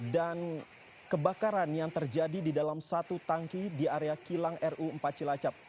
dan kebakaran yang terjadi di dalam satu tangki di area kilang ru empat cilacap